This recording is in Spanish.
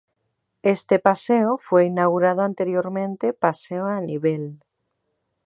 Este paseo fue inaugurado anteriormente Paseo a Nivel.